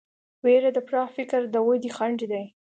وېره د پراخ فکر د ودې خنډ دی.